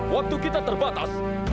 waktu kita terbatas